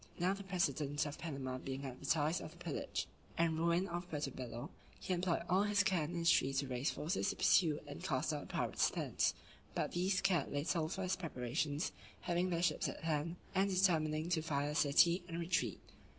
Now the president of Panama being advertised of the pillage and ruin of Puerto Bello, he employed all his care and industry to raise forces to pursue and cast out the pirates thence; but these cared little for his preparations, having their ships at hand, and determining to fire the city, and retreat.